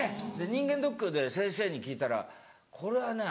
人間ドックで先生に聞いたらこれはね